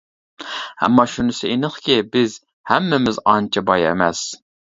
ئەمما شۇنىسى ئېنىقكى بىز ھەممىمىز ئانچە باي ئەمەس.